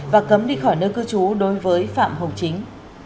và cấm đi khỏi nơi cư trú đối với phạm hồng chính